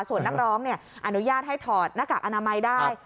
ส่วนนักร้องอนุญาตให้ถอดหน้ากากอนามัยได้